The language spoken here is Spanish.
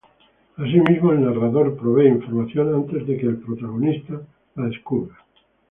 Asimismo, el narrador provee información antes de que el protagonista la descubra.